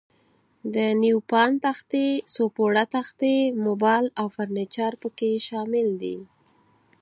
د نیوپان تختې، څو پوړه تختې، موبل او فرنیچر پکې شامل دي.